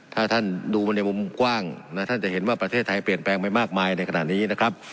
ถ้าท่านดูมาในมุมกว้างนะท่านจะเห็นว่าประเทศไทยเปลี่ยนแปลงไปมากมายในขณะนี้นะครับ